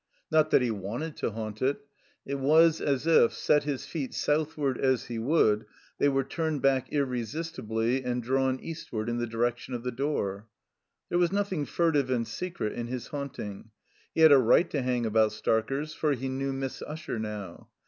Not that he wanted to haunt it. It was as if, set his feet southward as^ he would, they were turned back ir resistibly and drawn eastward in the direction of the door. There was nothing furtive and secret in his haunt ing. He had a right to hang about Starker's, for he knew Miss Usher now.